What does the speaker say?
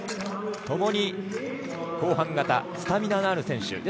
共に後半型スタミナのある選手。